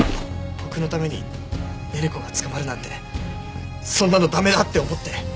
僕のために寧々子が捕まるなんてそんなの駄目だって思って。